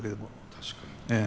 確かに。